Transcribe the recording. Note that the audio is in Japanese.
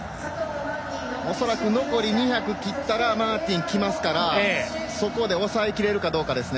恐らく残り２００切ったらマーティン来ますからそこで抑え切れるかどうかですね。